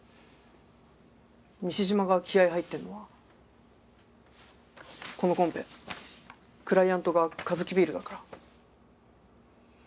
西島が気合入ってるのはこのコンペクライアントがカヅキビールだから？